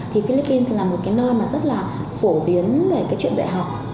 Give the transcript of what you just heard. thì philippines là một cái nơi mà rất là phổ biến về cái chuyện dạy học